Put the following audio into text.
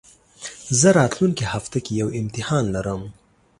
زه راتلونکي هفته کي يو امتحان لرم